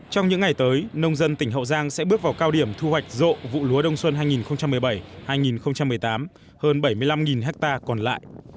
trong những ngày tới nông dân tỉnh hậu giang sẽ bước vào cao điểm thu hoạch rộ vụ lúa đông xuân hai nghìn một mươi bảy hai nghìn một mươi tám hơn bảy mươi năm ha còn lại